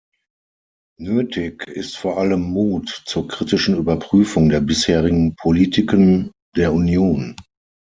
Nötig ist vor allem Mut zur kritischen Überprüfung der bisherigen Politiken der Union.